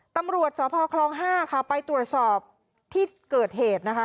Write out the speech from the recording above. ตำรวจสพคลอง๕ค่ะไปตรวจสอบที่เกิดเหตุนะคะ